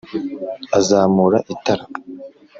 azamura itara